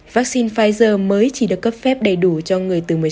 vaccine pfizer mới chỉ được cấp phép đầy đủ cho người từ một mươi sáu tuổi trở lên